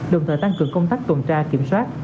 đồng thời tăng cường công tác tuần tra kiểm soát